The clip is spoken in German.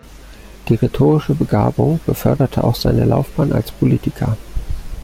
Die rhetorische Begabung beförderte auch seine Laufbahn als Politiker.